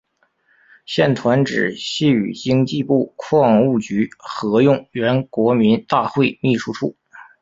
现团址系与经济部矿务局合用原国民大会秘书处。